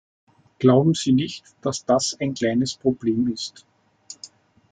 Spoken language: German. Glauben Sie nicht, dass das ein kleines Problem ist!